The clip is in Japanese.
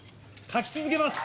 書き続けます！